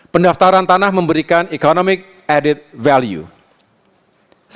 pendaftaran tanah memberikan economic added value